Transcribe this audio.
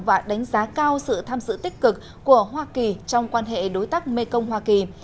và đánh giá cao sự tham dự tích cực của hoa kỳ trong quan hệ đối tác mekong hoa kỳ